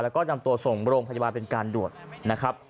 แล้วก็นำตัวส่งโรงพยาบาลเป็นการด่วนนะครับ